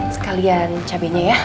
sekalian cabenya ya